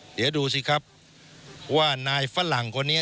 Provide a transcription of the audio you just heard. เดี๋ยวดูสิครับว่านายฝรั่งคนนี้